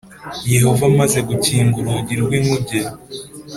Yehova amaze gukinga urugi rw inkuge